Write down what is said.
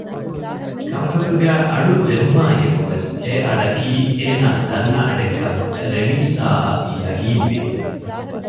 ކަންފަތުގައި އަޑު ޖެހުމާއިއެކު ވެސް އެއަޑަކީ އޭނާ ދަންނަ އަޑެއްކަން ރެނީސާއަށް ޔަގީންވި